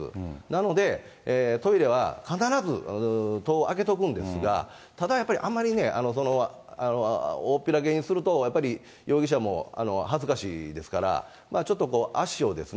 なので、トイレは必ず戸を開けとくんですが、ただやっぱりあまり、おおぴらげにすると、やっぱり容疑者も恥ずかしいですから、ちょっと足を。